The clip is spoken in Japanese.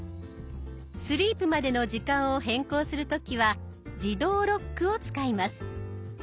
スリープまでの時間を変更する時は「自動ロック」を使います。